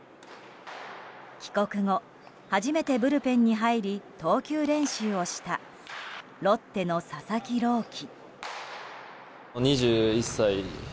帰国後、初めてブルペンに入り投球練習をしたロッテの佐々木朗希。